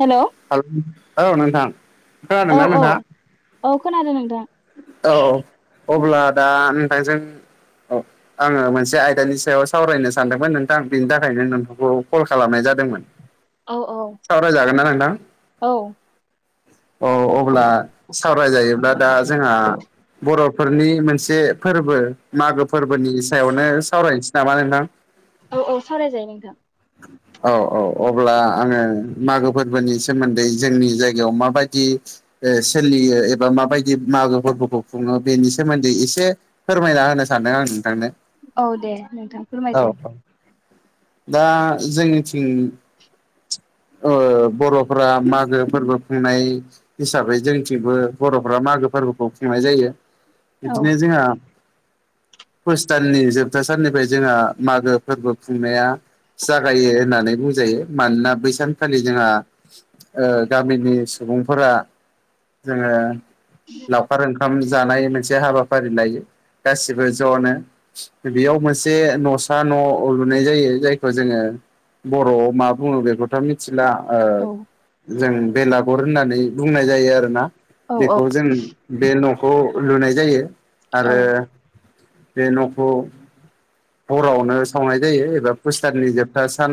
Hello औ नोंथां औ खोनादोंना औ नोंथाङा? औ खोनादो नोंथां। औ अब्ला दा नोंथांजों औ आङो मोनसे आयदानि सायाव सावरायनो सानदोंमोन नोंथां बेनि थाखायनो नोंथांखौ कल खालामनाय जादों। औ औ सावरायजागोन ना नोंथां? औ औ अब्ला सावरायजायोब्ला दा जोंहा बर'फोरनि मोनसे फोरबो मागो फोरबोनि सायावनो सावरायनोसै नामा नोंथां? औ औ सावरायजायो नोंथां। औ औ अब्ला आङो मागो फोरबोनि सोमोन्दै जोंनि जायगायाव माबायदि ओ सोलियो एबा माबायदि मागो फोरबोखौ खुङो बेनि सोमोन्दै एसे फोरमायना होनो सानदों आं नोंथांनो। औ दे नोंथां औ फोरमायसाय। औ दा जोंनिथिं ओ बर'फोरा मागो फोरबो खुंनाय हिसाबै जोंथिंबो बर'फ्रा मागो फोर्बोखौ खुंनाय जायो। औ बिदिनो जोंहा। पुस दाननि जोबथा साननिफ्राय जोंहा मागो फोर्बो खुंनाया। जागायो होननानै बुंजायो मानोना बै सानखालि जोंहा ओ गामिनि सुबुंफोरा जोङो लावखार ओंखाम जानाय मोनसे हाबाफारि लायो गासिबो ज'नो। बेयाव मोनसे न'सा न' लुनाय जायो जायखौ जोङो बर'आव मा बुङो बेखौ थ' मिथिला ओ औ जों बेलागुर होननानै बुंनाय जायो आरोना। औ बेखौ जों बे न'खौ लुनाय जायो औ आरो बे न'खौ हरआवनो सावनाय जायो एबा पुस दाननि जोबथा सान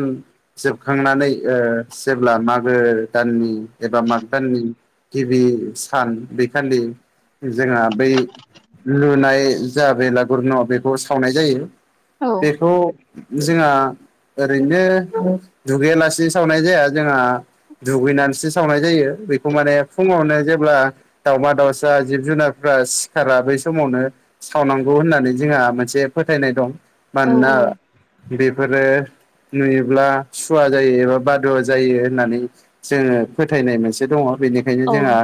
जोबखांनानै ओ जेब्ला मागो दाननि एबा माग दाननि गिबि सान बेखालि जोंहा बै लुनाय जा बेलागुर न' बेखौ सावनाय जायो। औ बेखौ जोंहा ओरैनो दुगैयालासे सावनाय जाया जोंहा। दुगैनानैसो सावनाय जायो बेखौ माने फुङावनो जेब्ला दावउमा-दाउसा जिब-जुनारफ्रा सिखारा बै समावनो। सावनांगौ होननानै जोंहा मोनसे फोथायनाय दं। औ मानोना बेफोरो नुयोब्ला सुवा जायो एबा बादुवा जायो होननानै। जोङो फोथायनाय मोनसे दङ बेनिखायनो औ जोंहा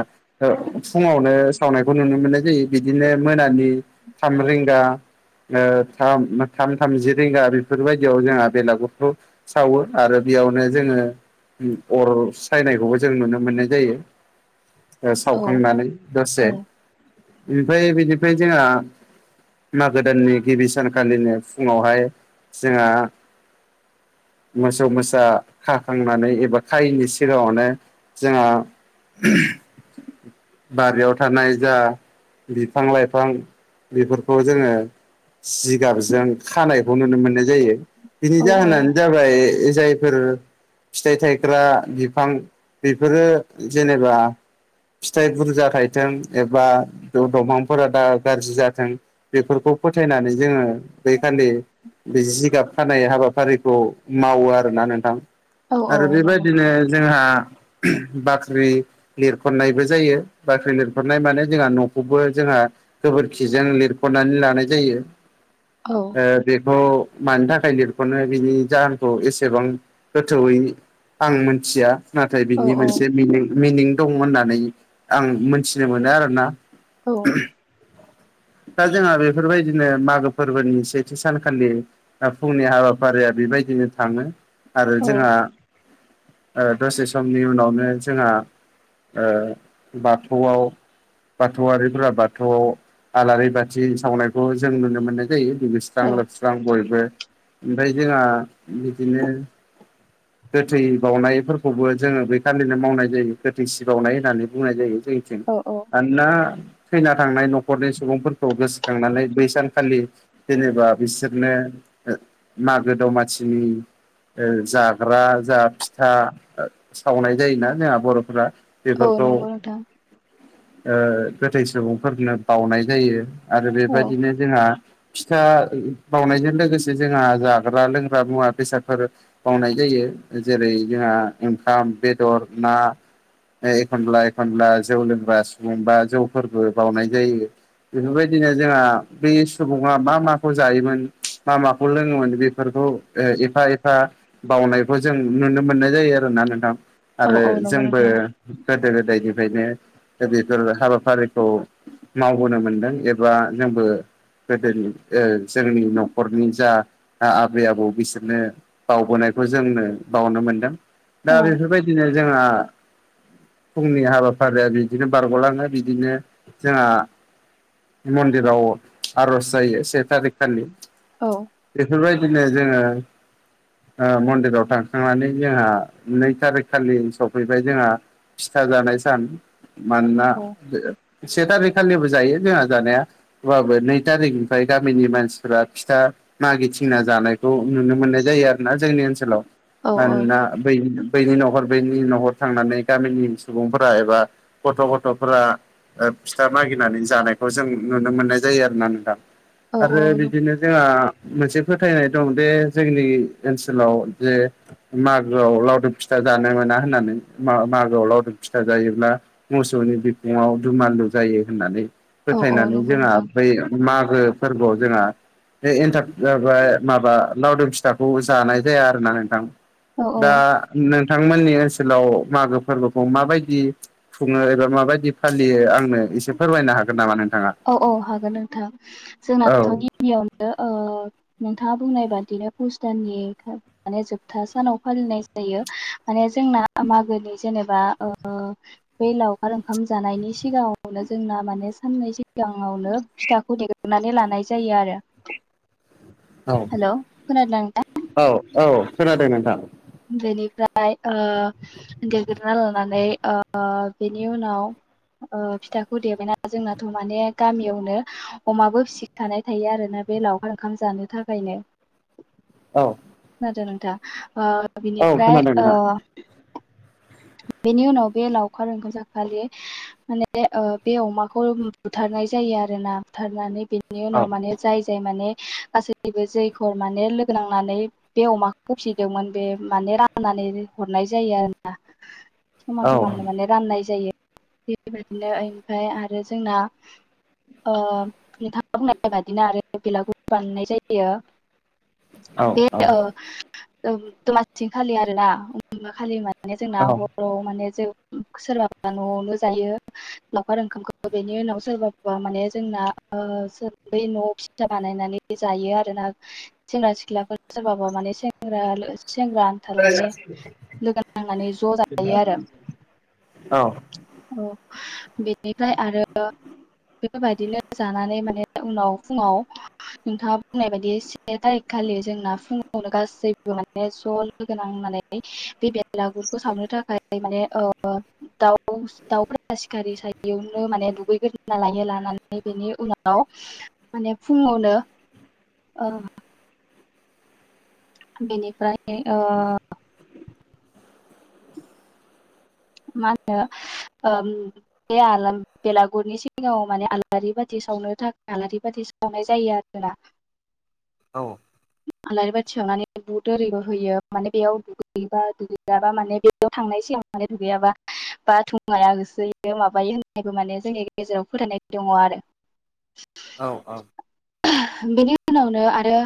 ओ फुङावनो सावनायखौ नुनो मोननाय जायो बिदिनो मोनानि थाम रिंगा। ओ थाम मो थाम-थामजि रिंगा बेफोरबायदियाव जोंहा बेलागुरखौ सावो आरो बेयावनो जोङो उम अर सायनायखौबो जों नुनो मोननाय जायो। ओ सावखांनानै दसे। औ औ ओमफाय बिनिफ्राय जोंहा मागो दाननि गिबि सानखालिनो फुङावहाय जोंहा मोसौ-मोसा खाखांनानै एबा खायिनि सिगाङावनो। जोंहा बारियाव थानाय जा। बिफां-लाइफां बेफोरखौ जोङो जिगाबजों खानायखौ नुनो मोननाय जायो बिनि जाहोनानो जाबाय जायफोर फिथाइ थायग्रा बिफां बेफोरो जेनेबा फिथाइ बुरजा थायथों एबा द'-दंफांफोरा दा गाज्रि जाथों। बेफोरखौ फोथायनानै जोङो बैखालि बे जिगाब खानाय हाबाफारिखौ मावो आरोना नोंथां। औ आरो औ नंगौ बेबादिनो जोंहा बाख्रि। लिरखननायबो जायो बाख्रि लिरखननाय माने जोंहा न'खौबो जोंहा गोबोरखिजों लिरख'ननानै लानाय जायो। औ। ओ बेखौ मानि थाखाय लिरख'नो बिनि जाहोनखौ एसेबां गोथौयै। आं मोनथिया। नाथाय औ बिनि औ मोनसे मिनिं-मिनिं दं होननानै आं मोनथिनो मोनो आरोना। औ दा जोंहा बेफोरबायदिनो मागो फोर्बोनि सेथि सानखालि फुंनि हाबाफारिया बेबायदिनो थाङो। आरो जोंहा ओ दसे समनि उनावनो जोंहा। ओ बाथौआव। बाथौआरिफोरा बाथौआव आलारि बाथि सावनायखौ जों नुनो मोनो। जायो दुगैस्रां लोबस्रां बयबो ओमफ्राय जोंहा बिदिनो [inaudible] गोथै बावनायफोरखौबो जोङो बेखालिनो मावनाय जायो गोथै सि बावनाय होननानै बुंनाय जायो जों। थिं औ औ मानोना थैना थांनाय न'खरनि सुबुंफोरखौ गोसोखांनानै बै सानखालि जेनेबा बिसोरनो मागो दमासिनि जाग्रा जा फिथा सावनाय जायोना जोंहा बर'फोरा औ बेफोरखौ नंगौ नोंथां गोथै सुबुंफोरनो बावनाय जायो। आरो औ बेबादिनो जोंहा फिथा बावनायजों लोगोसे जोंहा जाग्रा-लोंग्रा मुवा-बेसादफोर। बावनाय जायो जेरै- जोंहा ओंखाम, बेदर, ना। ओ एखनब्ला-एखनब्ला जौ लोंग्रा सुबुं बा जौफोरबो बावनाय जायो। बेफोरबायदिनो जोंहा बै सुबुं बुङा मा माखौ जायोमोन मा माखौ लोङोमोन बेफोरखौ ओ एफा-एफा बावनायखौ जों नुनो मोननाय जायो आरोना नोंथां औ आरो औ नंगौ जोंबो नोंथां गोदो गोदायनिफ्रायनो बेफोर हाबाफारिखौ मावबोनो मोनदों एबा जोंबो गोदोनि जोंनि न'खरनि जा आबै आबौ बिसोरनो बावबोनायखौ जोंनो बावनो मोनदों दा औ बेफोरबायदिनो जोंहा फुंनि हाबाफारिया बिदिनो बारग'लाङो बिदिनो जोंहा मन्दिराव आर'ज जायो से थारिख खालि औ बेफोरबायदिनो जोङो मन्दिराव थांखांनानै जोंहा नै थारिख खालि सफैबाय जोंहा फिथा जानाय सान मानोना औ से थारिख खालिबो जायो जोंहा जानाया होमबाबो नै तारिखनिफ्राय गामिनि मानसिफोरा फिथा मागिथिंना जानायखौ नुनो मोननाय जायो आरो ना जोंनि ओनसोलाव औ मानोना बै बैनि न'खर बैनि न'खर थांनानै गामिनि सुबुंफोरा एबा गथ' गथ'फोरा फिथा मागिनानै जानायखौ जों नुनो मोननाय जायो आरो ना नों थां औ आरो बिदिनो जोंहा मोनसे फोथायनाय दं बे जोंनि ओनसोलाव जे मागोआव लावदुम फिथा जानो मोना होननानै मागोआव लावदुम फिथा जायोब्ला मोसौनि बिखुंआव दुमालु जायो होननानै औ औ फोथायनानै नंगौ जोंहा नोंथां बै मागो फोरबोआव जोंहा बे एन्थाब माबा लावदोम फिथाखौ जानाय जाया आरो ना नोंथां। औ दा औ नोंथांमोननि ओनसोलाव मागो फोरबोखौ माबायदि खुङो एबा माबायदि फालियो आंनो एसे फोरमायनो हागोन नामा नोंथाङा। औ-औ हागोन नोंथां औ जोंनाथ' गिबियावनो नोंथाङा बुंनाय बादिनो पुस दाननि माने जोबथा सानाव फालिनाय जायो माने जोंना मागोनि जेनेबा बे लावखार ओंखाम जानायनि सिगाङावनो जोंना माने बे साननै सिगाङावनो फिथाखौ देग्रोनानै लानाय जायो आरो हेलौ खोनादोंना नोंथां। औ-औ खोनादों नोंथां। बेनिफ्राय ओ देगोरना लानानै बेनि उनाव फिथाखौ देबायना जोंनाथ' माने गामियावनो अमाबो फिसिखानाय थायो आरोना बे लावखार ओंखाम जानो थाखायनो औ खोनादों नोंथां औ बिनिफ्राय खोनादों नोंथां बेनि उनाव बे लावखार ओंखाम जाखालि माने बे अमाखौ बुथारनाय जायो आरोना बुथारनानै बेनि उनाव माने जाय जाय माने गासैबो जैयर माने लोगो नांनानै। बे अमा फिसिदोंमोन बे माने राननानै हरनाय जायो आरोना। समान औ समाननो माने राननाय जायो थि बेबायदिनो ओमफफ्राय आरो जोंना। ओ-नोंथां बुंनाय बादिनो आरो बेलागुर बाननाय जायो। औ बे दमासि खालि आरोना अबा खालि माने जोंना हर औ माने जों सोरबाबा न'आवनो जायो लावखार ओंखामखौ बेनि उनाव सोरबाफोरा माने जोंना बै न' फि फिथा बानायनानै जायो आरो ना। सेंग्रा सिख्लाफोर सोरबाबा माने सेंग सेंग्रा आंनथाल माने लोगो नांनानै ज' जायो आरो औ औ बेनिफ्राय आरो। बेफोरबायदिनो जानानै माने उनाव फुङाव नोंथाङा बुंनाय बायदि। से थारिख खालि जोंना फुङावनो गासैबो माने ज लोगोनांनै बैबे बेलागुरखौ सावनो थाखाय माने ओ दाउ दाउफोरा सिखारि सायावनो माने दुगैग्रो। ना लायो लानानै बेनि उनाव माने फुङावनो। ओ बेनिफ्राय ओ मा होनो ओ बे आलाम बेलागुरनि सिगाङाव माने आलारि बाथि सावनो थाखाय आलारि बाथि सावनाय जायो आरोना। औ आलारि बाथि सावनानै बुद आरिबो होयो माने बेयाव दुगैबा दुगैजाबा माने बेयाव थांनाय सिगां माने दुगैयाबा बा थुङा होसो होयो माबायो होननानैबो माने जोंनि गेजेराव फोथायनाय दङ आरो। औ औ बेनि उनावनो आरो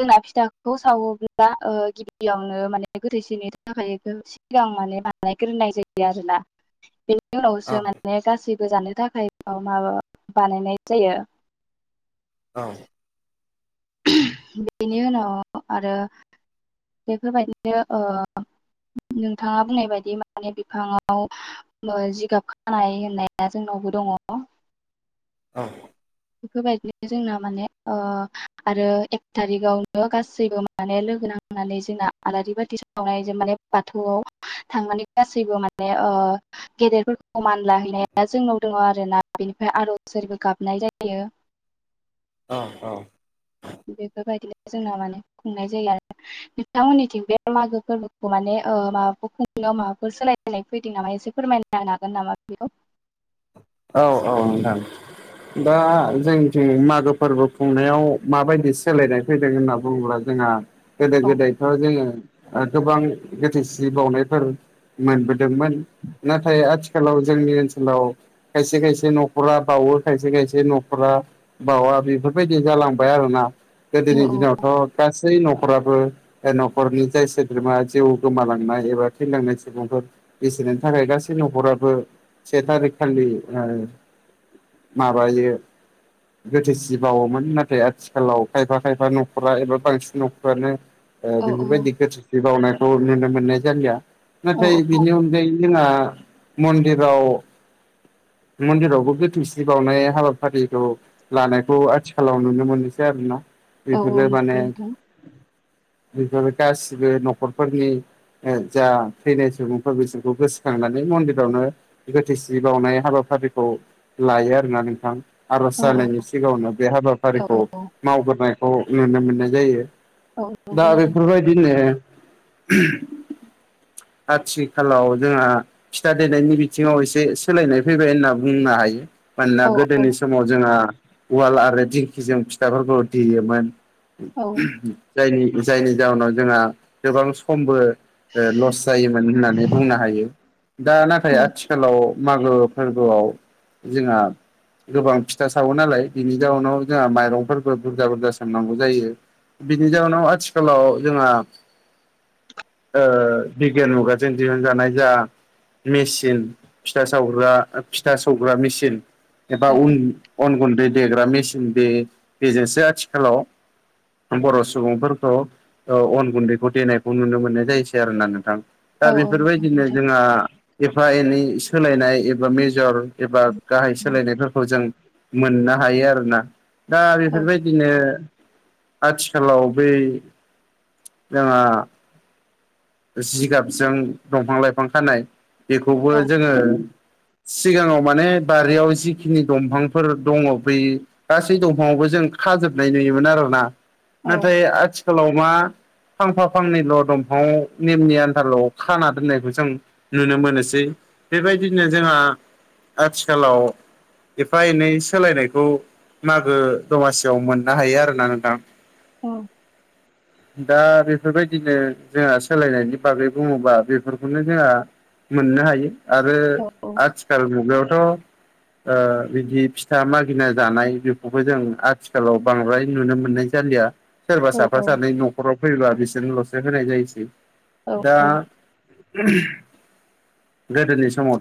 जोंना फिथाखौ सावोब्ला ओ-गिबियावनो माने गोथैसेनि थाखाय सिगां माने बानायग्रोनाय जायो आरोना बे। नि उनावसो माने गासैबो जानो थाखाय माबा बानायनाय जायो। औ बेनि उनाव आरो बेफोरबायदिनो ओ-नोंथाङा बुंनाय बायदि माने बिफाङाव। जिगाब खानाय होननाया जोंनावबो दङ औ बेफोरबायदिनो जोंना माने ओ आरो एक थारिकआवनो गासैबो माने लोगो नांनानै जोंना आलारि बाथि सावनायजों माने बाथौआव थांनानै गासैबो माने ओ गेदेरफोरखौ मान लाहैनाया जोंनाव दङ आरोना बेनिफ्राय आरजफोरबो गाबनाय जायो। औ औ बेफोरबायदिनो जोंना माने खुंनाय जायो आरो। नोंथांमोननिथिं बे मागो फोरबोखौ माने ओ-माबाफोर खुंनायाव माबाफोर सोलाय लायनाय फैदों नामा एसे फोरमायनो हागोन नामा बेखौ। औ औ नोंथां। दा जोंनिथिं मागो फोरबो खुंनायाव माबायदि सोलायदों फैदों होनना बुङोब्ला जोंहा गोदो गोदाय दा जोङो गोबां गोथैसि बाउनायफोर मोनबोदोंमोन नाथाय आथिखालाव जोंनि ओनसोलाव खायसे खायसे न'खरा बावो खायसे खायसे न'खरा बावा बेफोरबायदि जालांबाय आरोना गोदोनि दिनावथ' गासै न'खराबो न'खरनि जाय सोद्रोमा जिउ गोमालांनाय एबा थैलांनाय सुबुंफोर बिसोरनि थाखाय गासै न'खराबो से थारिख खालि ओ माबायो गोथै सि बावोमोन नाथाय आथिखालाव खायफा खायफा न'खरा एबा बांसिन न'खरानो औ बेफोरबायदि गोथै सि बावनायखौ नुनो मोननाय जालिया। औ नाथाय बिनि अनगायै जोंहा मन्दिराव। मन्दिरावबो गोथौसि बावनाय हाबाफारिखौ। लानायखौ आथिखालाव नुनो मोनासै आरोना औ बेफोरो माने नंगौ नोंथां बेफोर गासिबो नखरफोरनि जा थैनाय सुबुंफोर बिसोरखौ गोसोखांनानै मन्दिरावनो गोथैसि बावनाय हाबाफारिखौ लायो आरोना नोंथां। आरज औ जानायनि सिगाङावनो बे औ हाबाफारिखौ औ मावग्रोनायखौ नुनो मोननाय जायो। औ दा नंगौ नोंथां बेफोरबायदिनो आथिखालाव जोंहा फिथा देनायनि बिथिङाव एसे सोलायनाय फैबाय होनना बुंनो हायो मानोना औ औ गोदोनि समाव जोंहा उवाल आरो दिंखिजों फिथाइफोरखौ देयोमोन। औ जायनि जायनि जाहोनाव जोंहा गोबां समबो ओ लस जायोमोन होननानै बुंनो हायो दा नाथाय उम आथिखालाव मागो फोरबोआव जोंहा गोबां फिथा सावो नालाय बेनि जाउनाव जोंहा माइरंफोरफोरखौ बुरजा बुरजा सोमनांगौ जायो। बिनि जाउनाव आथिखालाव जोंहा ओ बिगियान मुगाजों दिहुनजानाय जा मेसिन फिथा सावग्रा फिथा सावग्रा मेसिन एबा उम उन अन गुन्दै देग्रा मेसिन बे बेजोंसो आथिखालाव बर' सुबुंफोरखौ औ अन गुन्दैखौ देनायखौ नुनो मोननाय जायोसै आरो ना नोंथां। दा औ औ बेफोरबायदिनो नंगौ जोंहा एफा एनै सोलायनाय एबा मेजर एबा गाहाय नोंथां सोलायनायफोरखौ जों मोननो हायो आरो ना। दा औ बेफोरबायदिनो आथिखालाव बै जोंहा जिगाबजों दंफां लाइफां खानाय बेखौबो औ जोङो सिगाङाव माने बारियाव जिखिनि दंफांफोर दङ बै गासै दंफाङावबो जों खाजोबनाय नुयोमोन आरोना औ नाथाय आथिखालाव मा फांफा फांनैल' दंफांङाव नेमनि आन्थाल' खाना दोननायखौ जों नुनो मोनोसै बेबायदिनो जोंहा आथिखालाव एफा एनै सोलायनायखौ मागो दमासियाव मोननो हायो आरोना नोंथां। औ। दा बेफोरबायदिनो जोंहा सोलायनायनि बागै बुङोबा बेफोरखौनो जोंहा मोननो हायो आरो औ आथिखाल मुगायावथ' बिदि फिथा मागिना जानाय बेखौबो जों आथिखालाव बांद्राय नुनो मोननाय जालिया। सोरबा औ साफा औ सानै न'खराव फैब्ला बिसोरनोल'सो होनाय जायोसै औ दा औ उ गोदोनि समावथ'